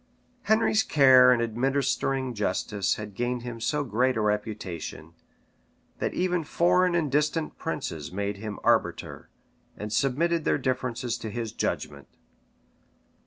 Henry's care in administering justice had gained him so great a reputation, that even foreign and distant princes made him arbiter, and submitted their differences to his judgment.